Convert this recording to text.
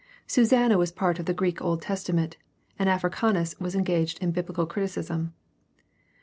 Susanna was part of the Greek Old Testament, and Africanus was engaged in biblical criticism.